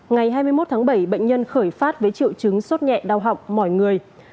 ngày hai mươi một tháng bảy bệnh nhân khởi phát với triệu chứng sốt nhẹ đau họng mỏi người